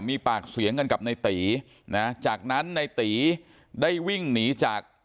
มีปากเสียงกันกับในตีนะจากนั้นในตีได้วิ่งหนีจาก